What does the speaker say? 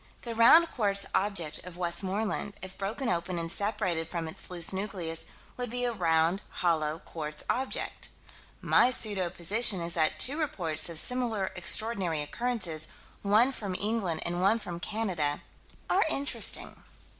The round quartz object of Westmoreland, if broken open and separated from its loose nucleus, would be a round, hollow, quartz object. My pseudo position is that two reports of similar extraordinary occurrences, one from England and one from Canada are interesting.